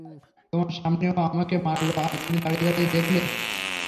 তোমার সামনে ও আমাকে মারলো, আর তুমি দাঁড়িয়ে দাঁড়িয়ে দেখলে।